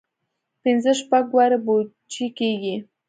پنځه شپږ وارې پوجي کېږي.